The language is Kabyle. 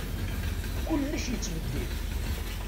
Kullec yettbeddil.